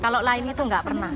kalau lain itu nggak pernah